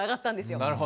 なるほどね。